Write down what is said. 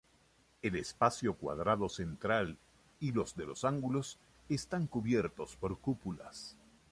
El espacio cuadrado central y los de los ángulos están cubiertos por cúpulas.